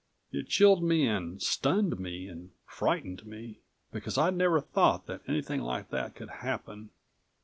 It chilled me and stunned me and frightened me, because I'd never thought that anything like that could happen.